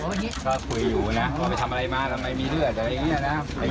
วันนี้ก็คุยอยู่นะว่าไปทำอะไรมาทำไมมีเลือดอะไรอย่างนี้นะ